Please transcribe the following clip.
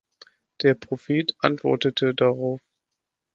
Der Prophet antwortete darauf.